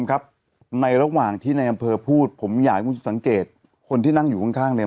ถ้ังได้บ่วยอย่างเงี้ยนะฮะสิบเตียงอย่างเงี้ยผู้ชายเป็นสิบหน้าน่ะ